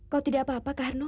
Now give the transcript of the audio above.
kau tidak apa apa kak harno